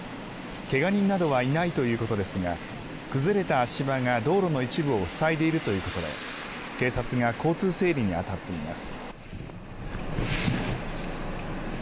けが人などはいないということですが、崩れた足場が道路の一部を塞いでいるということで、警察が交通整理に当たっています。